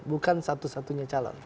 bukan satu satunya calon